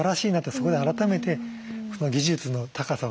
そこで改めて技術の高さを感じますね。